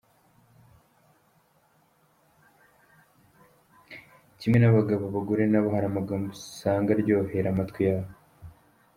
Kimwe n’abagabo, abagore nabo hari amagambo usanga aryohera amatwi yabo.